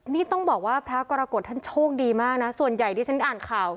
นี่ต้องบอกว่าพระกรกฎท่านโชคดีมากนะส่วนใหญ่ที่ฉันอ่านข่าว